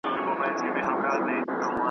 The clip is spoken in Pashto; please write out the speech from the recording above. چي وګړي د یوه پلار د وطن یو .